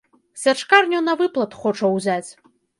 Сячкарню на выплат хоча ўзяць.